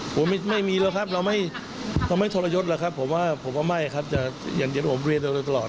ผมว่าผมว่าไม่ครับจะเย็นโอมเรียนตลอด